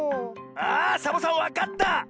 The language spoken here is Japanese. あサボさんわかった！